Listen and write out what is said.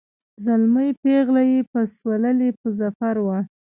زلمی پېغله یې پسوللي په ظفر وه